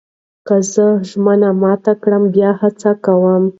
که زه ژمنه مات کړم، بیا هڅه کوم.